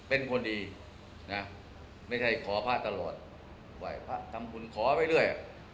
เป็นคนดีไม่ใช่ขอพระตลอดทำคุณขอไปเรื่อย